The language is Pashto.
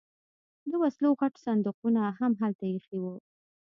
د وسلو غټ صندوقونه هم هلته ایښي وو